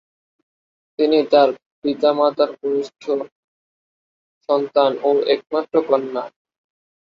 তিনি তার পিতামাতার কনিষ্ঠ সন্তান ও একমাত্র কন্যা।